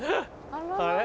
あれ？